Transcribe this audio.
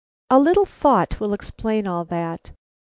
A little thought will explain all that.